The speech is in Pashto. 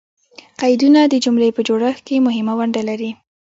قیدونه د جملې په جوړښت کښي مهمه ونډه لري.